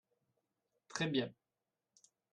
Très bien